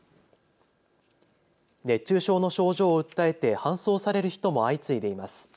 熱中症の症状を訴えて搬送される人も相次いでいます。